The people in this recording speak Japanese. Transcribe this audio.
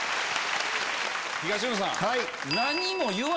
東野さん。